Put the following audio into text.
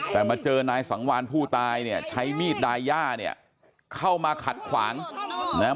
แต่มาเจอนายสังวานผู้ตายเนี่ยใช้มีดดายย่าเนี่ยเข้ามาขัดขวางนะฮะ